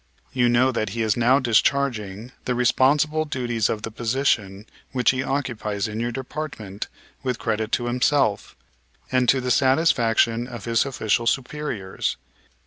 You know that he is now discharging the responsible duties of the position which he occupies in your department with credit to himself, and to the satisfaction of his official superiors.